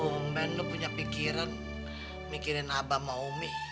bung ben lu punya pikiran mikirin abah sama umi